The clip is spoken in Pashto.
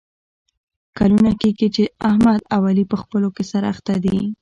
کلونه کېږي چې احمد او علي په خپلو کې سره اخته دي.